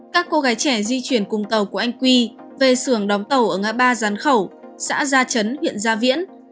các cô gái trẻ di chuyển cùng tàu của anh quy về xưởng đóng tàu ở ngã ba gián khẩu xã gia chấn huyện gia viễn